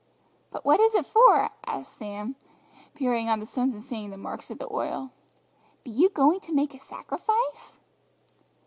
"But what is it for?" asked Sam, peering on the stones and seeing the marks of the oil; "be you going to make a sacrifice?"